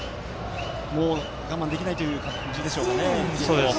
もう我慢できないという感じでしょうかね。